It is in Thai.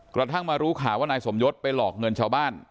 กระทั่งมารู้ข่าวว่านายสมยศไปหลอกเงินชาวบ้าน